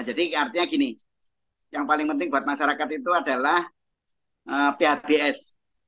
jadi artinya gini yang paling penting buat masyarakat itu adalah phds